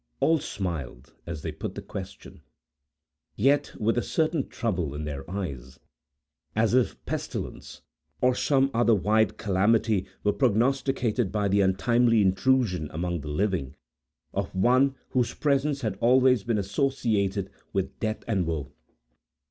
All smiled as they put the question, yet with a certain trouble in their eyes, as if pestilence, or some other wide calamity, were prognosticated by the untimely intrusion among the living, of one whose presence had always been associated with death and woe.